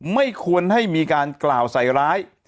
ไม่ควรให้มีการกล่าวใส่ร้าย